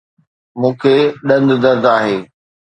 مون کي ڏند درد آهي